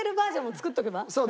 そう。